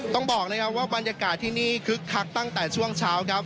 ต้องบอกนะครับว่าบรรยากาศที่นี่คึกคักตั้งแต่ช่วงเช้าครับ